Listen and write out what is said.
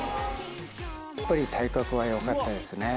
やっぱり体格がよかったですね。